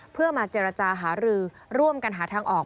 เพื่อมาเจรจาหารือร่วมกันหาทางออก